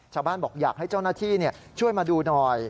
บอกอยากให้เจ้าหน้าที่ช่วยมาดูหน่อย